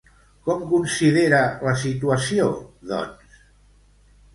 Com considera la situació, doncs?